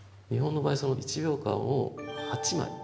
日本の場合その１秒間を８枚。